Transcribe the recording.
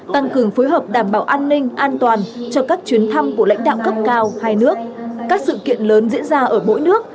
tăng cường phối hợp đảm bảo an ninh an toàn cho các chuyến thăm của lãnh đạo cấp cao hai nước các sự kiện lớn diễn ra ở mỗi nước